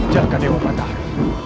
jaga dewa batara